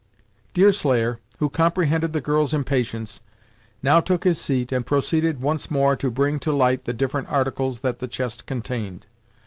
Deerslayer, who comprehended the girl's impatience, now took his seat and proceeded once more to bring to light the different articles that the chest contained.